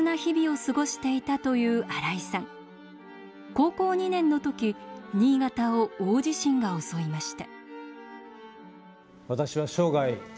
高校２年の時新潟を大地震が襲いました。